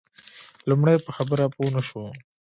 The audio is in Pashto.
لومړی په خبره پوی نه شو.